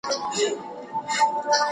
نثر مسجع په موزون شکل وړاندې کیږي.